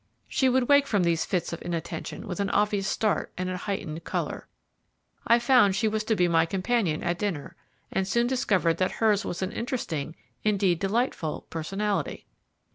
She would wake from these fits of inattention with an obvious start and a heightened colour. I found she was to be my companion at dinner, and soon discovered that hers was an interesting, indeed, delightful, personality.